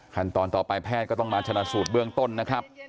ขั้นตอนต่อไปแพทย์ก็ต้องมาชนะสูตรเบื้องต้นนะครับ